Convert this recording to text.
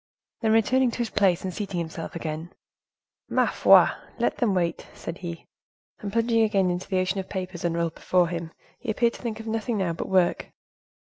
Then returning to his place, and seating himself again, "Ma foi! let them wait," said he. And plunging again into the ocean of papers unrolled before him, he appeared to think of nothing now but work.